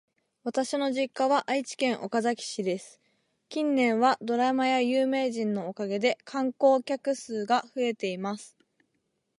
私の実家は愛知県岡崎市です。近年はドラマや有名人のおかげで観光客数が増えています。